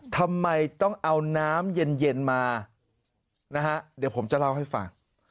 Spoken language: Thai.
ทำไมต้องเอาน้ำเย็นมานะฮะเดี๋ยวผมจะเล่าให้ฟัง